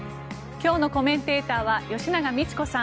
今日のコメンテーターは吉永みち子さん